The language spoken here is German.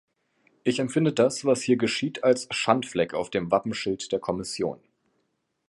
Ich empfinde das, was hier geschieht, als Schandfleck auf dem Wappenschild der Kommission.